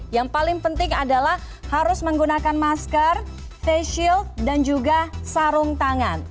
yang paling penting adalah harus menggunakan masker face shield dan juga sarung tangan